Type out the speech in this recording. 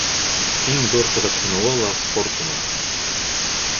Иң ҙур ҡыҙыҡһыныуы ла спорт уның.